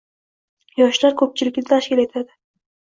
Yoshlar koʻpchilikni tashkil etadi